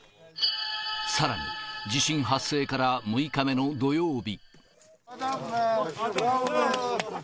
さらに、地震発生から６日目の土曜日。